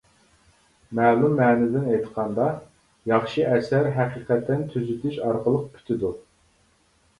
مەلۇم مەنىدىن ئېيتقاندا، ياخشى ئەسەر ھەقىقەتەن تۈزىتىش ئارقىلىق پۈتىدۇ.